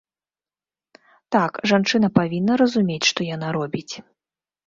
Так, жанчына павінна разумець, што яна робіць.